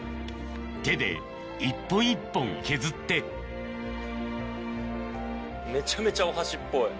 手で一本一本削ってめちゃめちゃお箸っぽい。